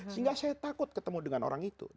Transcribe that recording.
sehingga saya takut ketemu dengan orang itu